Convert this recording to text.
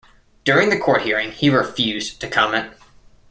During the court hearing he refused to comment.